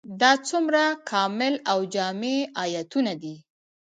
دا څومره کامل او جامع آيتونه دي ؟